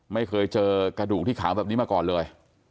ไม่เคยเจอกระดูกที่ขาวแบบนี้มาก่อนเลย